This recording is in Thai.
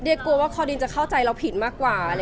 เดี๋ยวกลัวว่าคอดินจะเข้าใจเราผิดมากกว่า